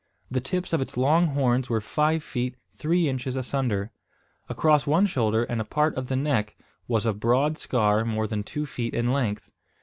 The tips of its long horns were five feet three inches asunder. Across one shoulder, and a part of the neck, was a broad scar more than two feet in length.